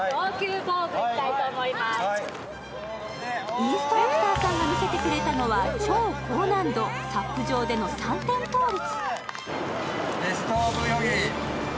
インストラクターさんが見せてくれたのは、超高難度、ＳＵＰ上での三点倒立。